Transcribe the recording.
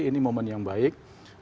ini momen yang baik